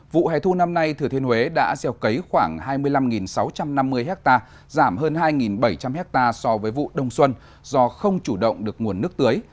vụ hẻ thu năm nay thừa thiên huế đã gieo cấy khoảng hai mươi năm sáu trăm năm mươi ha giảm hơn hai bảy trăm linh hectare so với vụ đông xuân do không chủ động được nguồn nước tưới